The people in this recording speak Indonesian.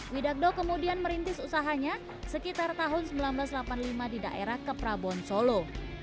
widagdo kemudian merintis usahanya sekitar tahun seribu sembilan ratus delapan puluh lima di daerah keprabon solo